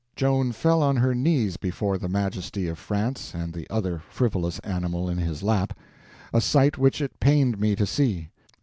Joan fell on her knees before the majesty of France, and the other frivolous animal in his lap—a sight which it pained me to see.